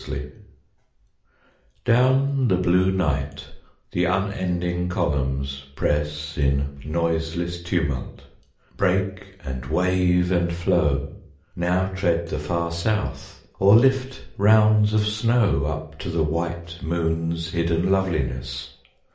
CLOUDS Down the blue night the unending columns press In noiseless tumult, break and wave and flow, Now tread the far South, or lift rounds of snow Up to the white moon's hidden loveliness.